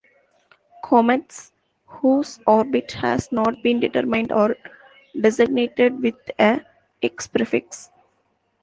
Comets whose orbit has not been determined are designated with a "X" prefix.